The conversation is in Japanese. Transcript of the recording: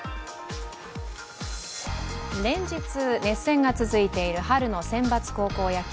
連日、熱戦が続いている春の選抜高校野球。